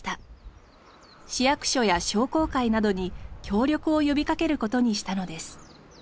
市役所や商工会などに協力を呼びかけることにしたのです。